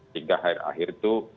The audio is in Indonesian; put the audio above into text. hingga akhir akhir itu